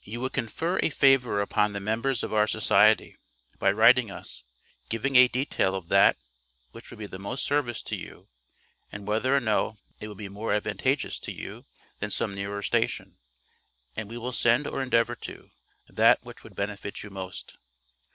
You would confer a favor upon the members of our society, by writing us, giving a detail of that which would be the most service to you, and whether or no it would be more advantageous to you than some nearer station, and we will send or endeavor to, that which would benefit you most.